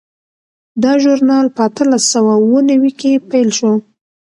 دا ژورنال په اتلس سوه اووه نوي کې پیل شو.